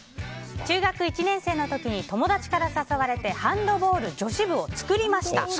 中学１年生の時に友達から誘われてハンドボール女子部を作りました。